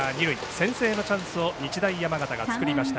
先制のチャンスを日大山形が作りました